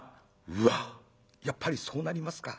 「うわやっぱりそうなりますか」。